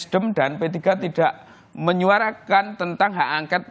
sisanya nesdem dan p tiga tidak menyuarakan tentang hak angkat